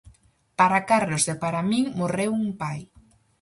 Para Carlos e para min morreu un pai.